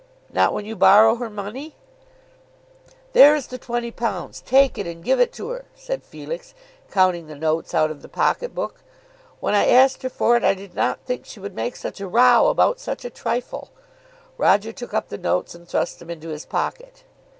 "Not when you borrow her money?" "There is the £20. Take it and give it her," said Felix, counting the notes out of the pocket book. "When I asked her for it, I did not think she would make such a row about such a trifle." Roger took up the notes and thrust them into his pocket.